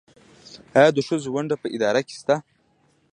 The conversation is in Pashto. آیا د ښځو ونډه په اداره کې شته؟